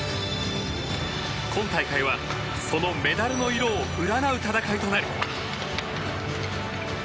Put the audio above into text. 今大会は、そのメダルの色を占う戦いとなる。